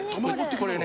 これね